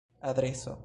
adreso